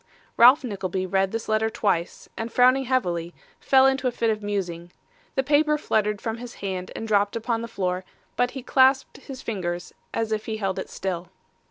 Ralph Nickleby read this letter twice, and frowning heavily, fell into a fit of musing; the paper fluttered from his hand and dropped upon the floor, but he clasped his fingers, as if he held it still.